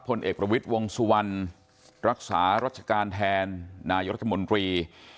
เอกประวิทย์วงสุวรรณรักษารัชการแทนนายรัฐมนตรี